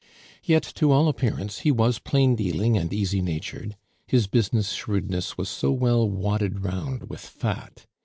Yet, to all appearance, he was plain dealing and easy natured, his business shrewdness was so well wadded round with fat.